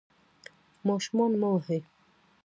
ماشومان مه وهئ.